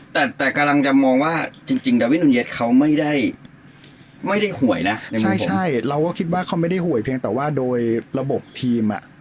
แต่แต่กำลังจะมองว่าจริงดาวินเย็ดเขาไม่ได้ไม่ได้หวยนะใช่เราก็คิดว่าเขาไม่ได้หวยเพียงแต่ว่าโดยระบบทีมอ่ะ